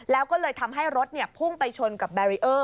แล้วก็เลยทำให้รถพุ่งไปชนกับแบรีเออร์